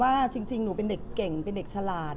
พี่อาจจะบอกเชอเอมว่าจริงหนูเป็นเด็กเก่งเป็นเด็กฉลาด